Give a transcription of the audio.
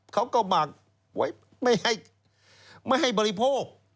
เขาก็บอกไว้ไม่ให้ไม่ให้บริโภค